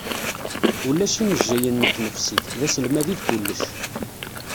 Ulac imejjayen n tnefsit, d aselmad i d kullec.